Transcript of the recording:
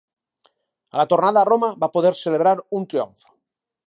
A la tornada a Roma va poder celebrar un triomf.